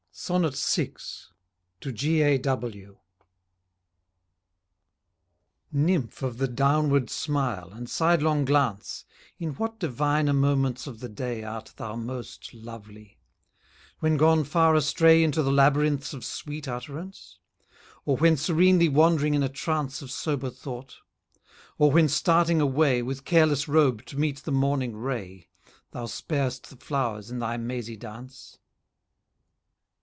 VI. To G. A. W. Nymph of the downward smile, and sidelong glance, In what diviner moments of the day Art thou most lovely? When gone far astray Into the labyrinths of sweet utterance? Or when serenely wand'ring in a trance Of sober thought? Or when starting away, With careless robe, to meet the morning ray, Thou spar'st the flowers in thy mazy dance?